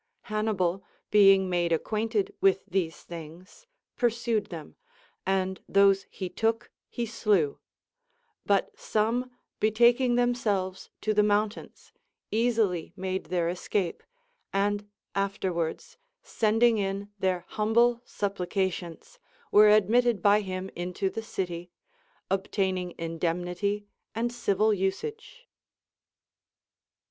Hannibal, being made acquainted with these things, pursued them, and those he took he slevi^ ; but some betaking themselves to the mountains easily made their escape, and afterwards, send voL. I. 23 354 CONCERNING THE VIRTUES OF WOMEN. ing in tlicir humble supplications, were admitted by him into the city, obtaining indemnity and civil usage.